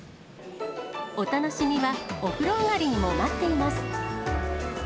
お楽しみはお風呂上がりにも待っています。